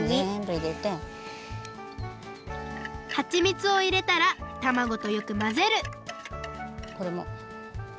はちみつをいれたらたまごとよくまぜるこれも。